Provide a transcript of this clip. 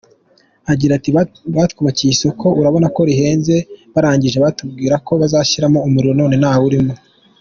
Agira ati “Batwubakiye isoko, urabona ko rihenze, barangije batubwira ko bazashyiramo umuriro none ntawurimo.